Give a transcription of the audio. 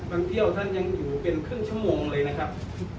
บางที่อยู่เป็นครึ่งชมเลยครับ